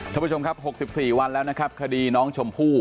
ท่านผู้ชมครับ๖๔วันแล้วนะครับคดีน้องชมพู่